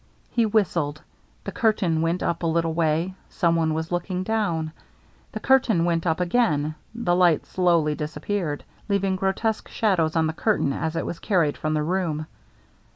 He whistled. The curtain went up a little way — some one was looking down. The curtain went down again ; the light slowly dis appeared, leaving grotesque shadows on the curtain as it was carried from the room.